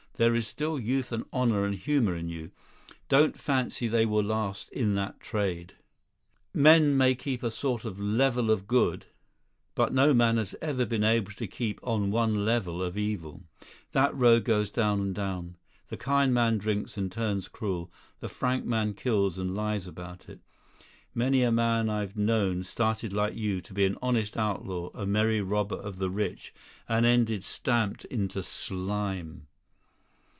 There is still youth and honour and humour in you; don't fancy they will last in that trade. Men may keep a sort of level of good, but no man has ever been able to keep on one level of evil. That road goes down and down. The kind man drinks and turns cruel; the frank man kills and lies about it. Many a man I've known started like you to be an honest outlaw, a merry robber of the rich, and ended stamped into slime.